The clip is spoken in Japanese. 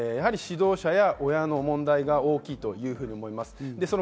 指導者や親の問題が大きいというふうに思います。